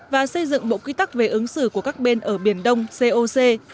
và xây dựng bộ quy tắc về ứng xử của các bên ở biển đông coc